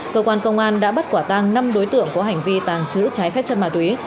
cơ quan công an đã bắt quả tăng năm đối tượng có hành vi tàng trữ trái phép chất ma túy